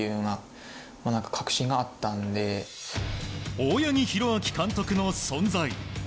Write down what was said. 大八木弘明監督の存在。